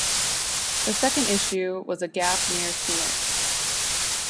The second issue was a gap near Phoenix.